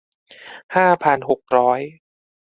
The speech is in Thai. ห้าพันหกร้อย